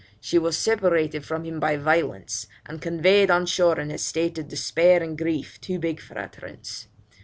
She was separated from him by violence, and conveyed on shore in a state of despair and grief too big for utterance.